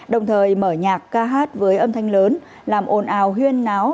đồng thời mở nhạc ca hát với âm thanh lớn làm ồn ào huyên náo